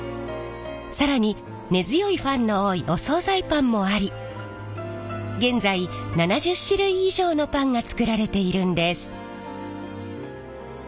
更に根強いファンの多いお総菜パンもあり現在７０種類以上のパンが作られているんです。